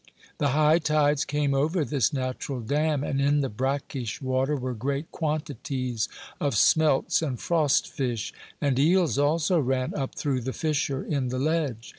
The high tides came over this natural dam; and in the brackish water were great quantities of smelts and frost fish; and eels also ran up through the fissure in the ledge.